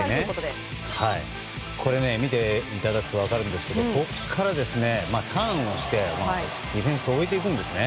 見ていただくと分かるんですがここからターンをしてディフェンスを抜いていくんですね。